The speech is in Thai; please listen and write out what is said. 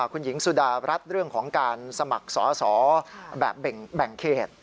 คุณหญิงสุดารัฐเรื่องของการสมัครสอสอแบบแบ่งเขต